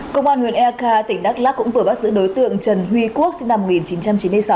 công an huyện eka tỉnh đắk lắc cũng vừa bắt giữ đối tượng trần huy quốc sinh năm một nghìn chín trăm chín mươi sáu